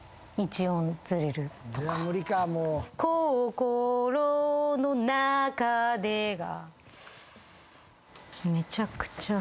「心の中で」が。